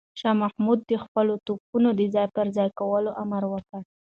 شاه محمود د خپلو توپونو د ځای پر ځای کولو امر وکړ.